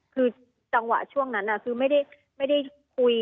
คือจังหวะช่วงนั้นคือไม่ได้คุย